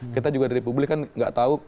kita juga dari publik kan nggak tahu